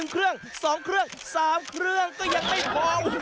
เครื่อง๒เครื่อง๓เครื่องก็ยังไม่พอ